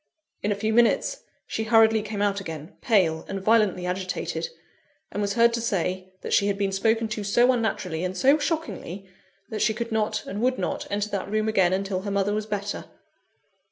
In a few minutes, she hurriedly came out again, pale, and violently agitated; and was heard to say, that she had been spoken to so unnaturally, and so shockingly, that she could not, and would not, enter that room again until her mother was better.